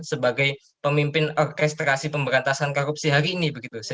sebagai pemimpin orkestrasi pemberantasan korupsi hari ini